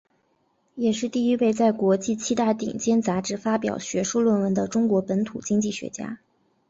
也是第一位在国际七大顶尖杂志发表学术论文的中国本土经济学家。